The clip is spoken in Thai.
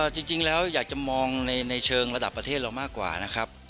จริงแล้วอยากจะมองในเชิงระดับประเทศเรามากกว่านะครับ